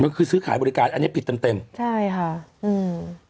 มันคือซื้อขายบริการอันนี้ผิดเต็มเต็มใช่ค่ะอืม